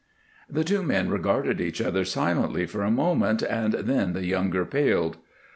The two men regarded each other silently for a moment, then the younger paled.